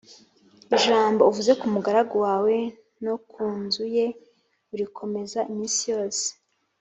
ijambo uvuze ku mugaragu wawe no ku nzu ye urikomeze iminsi yose